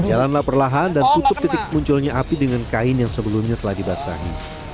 jalanlah perlahan dan tutup titik munculnya api dengan kain yang sebelumnya telah dibasahi